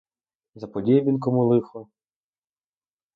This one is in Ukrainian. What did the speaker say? Заподіяв він кому лихо?